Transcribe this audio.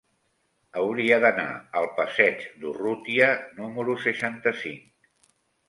Hauria d'anar al passeig d'Urrutia número seixanta-cinc.